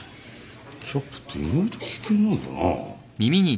キャップって意外と危険なんだな。